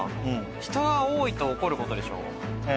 人が多いと起こることでしょ？